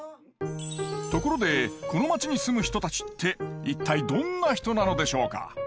ところでこの町に住む人たちって一体どんな人なのでしょうか？